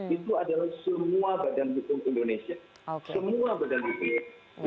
itu adalah semua badan pemerintah